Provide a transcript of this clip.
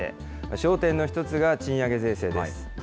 焦点の一つが賃上げ税制です。